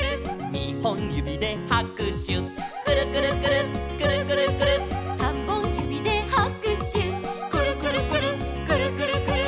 「にほんゆびではくしゅ」「くるくるくるっくるくるくるっ」「さんぼんゆびではくしゅ」「くるくるくるっくるくるくるっ」